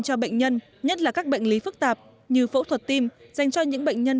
cho bệnh nhân nhất là các bệnh lý phức tạp như phẫu thuật tim dành cho những bệnh nhân